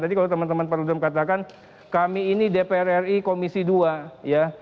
tadi kalau teman teman perludem katakan kami ini dpr ri komisi dua ya